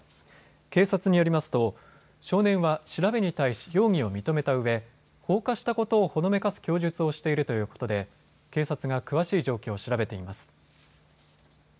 警察によりますと少年は調べに対し容疑を認めたうえ放火したことをほのめかす供述をしているということで警察が詳しい状況を調べています。